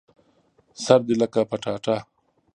سر دي لکه پټاټه